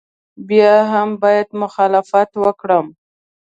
بیا هم باید مخالفت وکړم.